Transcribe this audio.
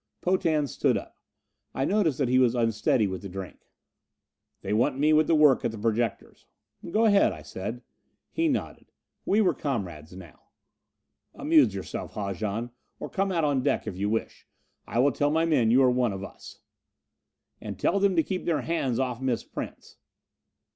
Potan stood up. I noticed that he was unsteady with the drink. "They want me with the work at the projectors." "Go ahead," I said. He nodded. We were comrades now. "Amuse yourself, Haljan. Or come out on deck if you wish. I will tell my men you are one of us." "And tell them to keep their hands off Miss Prince."